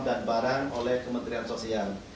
dan barang oleh kementerian sosial